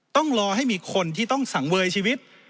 ต้องรอให้มีคนที่ต้องสังเวยชีวิต